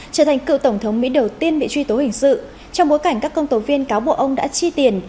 trở thành cựu tổng thống mỹ đầu tiên bị truy tố hình sự trong bối cảnh các công tố viên cáo buộc ông đã chi tiền